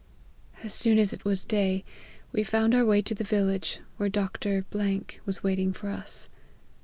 As soon as it was day, we found our way to the village, where Dr. was waiting for us.